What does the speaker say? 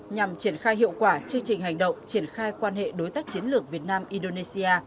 nhằm triển khai hiệu quả chương trình hành động triển khai quan hệ đối tác chiến lược việt nam indonesia